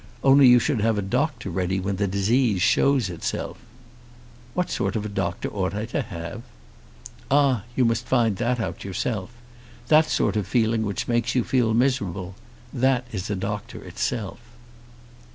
Only you should have a doctor ready when the disease shows itself." "What sort of a doctor ought I to have?" "Ah; you must find out that yourself. That sort of feeling which makes you feel miserable; that is a doctor itself."